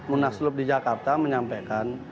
munaslup di jakarta menyampaikan